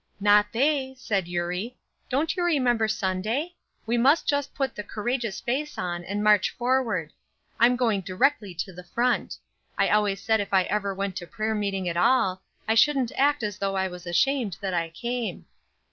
"Not they," said Eurie, "Don't you remember Sunday? We must just put the courageous face on and march forward. I'm going directly to the front. I always said if ever I went to prayer meeting at all, I shouldn't act as though I was ashamed that I came."